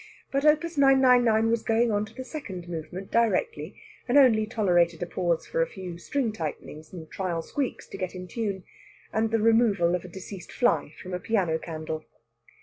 But Op. 999 was going on to the second movement directly, and only tolerated a pause for a few string tightenings and trial squeaks, to get in tune, and the removal of a deceased fly from a piano candle.